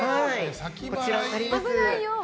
こちらになります。